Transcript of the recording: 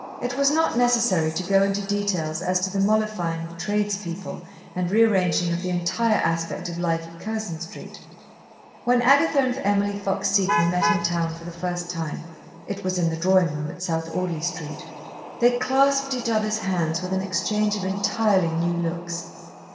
It was not necessary to go into details as to the mollifying of tradespeople and rearranging of the entire aspect of life at Curzon Street. When Agatha and Emily Fox Seton met in town for the first time it was in the drawing room at South Audley Street they clasped each other's hands with an exchange of entirely new looks.